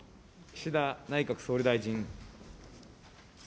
岸田内閣総理大臣。